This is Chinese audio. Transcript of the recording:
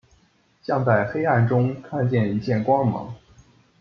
像在黑暗中看见一线光芒